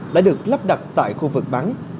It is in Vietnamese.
đã được lắp đặt tại khu vực bắn